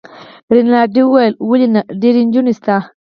رینالډي وویل: ولي نه، ډیرې نجونې شته.